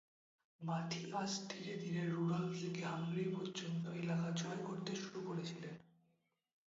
Mathias ধীরে ধীরে Rudolph থেকে হাঙ্গারি পর্যন্ত এলাকা জয় করতে শুরু করেছিলেন।